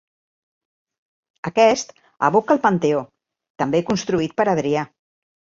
Aquest evoca al Panteó, també construït per Adrià.